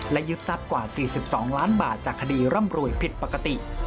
และยึดทรัพย์กว่า๔๒ล้านบาทจากคดีร่ำรวยผิดปกติ